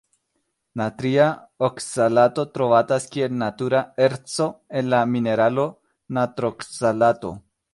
Natria okzalato trovatas kiel natura erco en la mineralo natrokzalato.